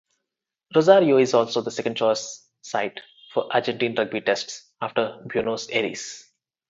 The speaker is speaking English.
Rosario is also the second choice site for Argentine rugby tests, after Buenos Aires.